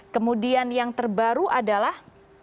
kemudian yang terbaru adalah